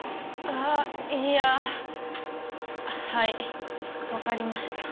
あいやはい分かりました。